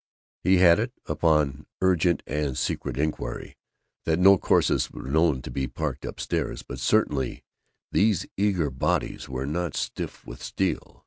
He had it, upon urgent and secret inquiry, that no corsets were known to be parked upstairs; but certainly these eager bodies were not stiff with steel.